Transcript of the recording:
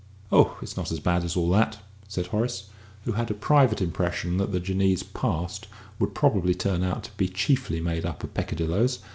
"Oh, it's not so bad as all that," said Horace, who had a private impression that the Jinnee's "past" would probably turn out to be chiefly made up of peccadilloes.